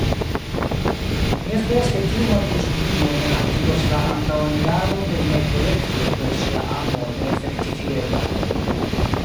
Mi esperas, ke tiu malriĉulino ne haltigos la antaŭeniradon de miaj projektoj per ŝia amo neefektivigebla.